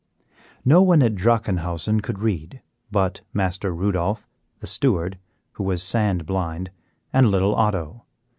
No one at Drachenhausen could read but Master Rudolph, the steward, who was sand blind, and little Otto.